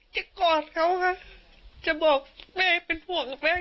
จะกอดเขาค่ะจะบอกแม่เป็นผู้ห่างแม่